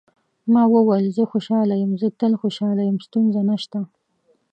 ما وویل: زه خوشاله یم، زه تل خوشاله یم، ستونزه نشته.